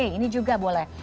ini juga boleh